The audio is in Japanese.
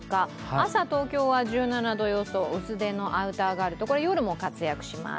朝、東京は１７度予想、薄手のアウターがあるとこれ、夜も活躍します。